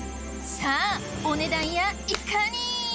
さぁお値段やいかに？